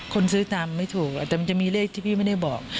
คนซื้อตามไม่ถูกแต่มันจะมีเลขที่พี่ไม่ได้บอก